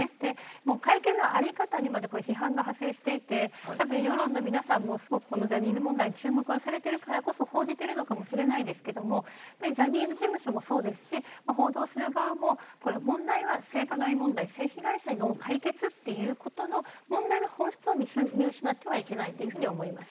会見の在り方にまで批判が派生していて世論の皆さんもジャニーズ問題に注目しているからこそ報じていると思いますがジャニーズ事務所もそうですし報道する側も問題は性加害問題で性被害者への解決というところで問題の本質を見失ってはいけないと思います。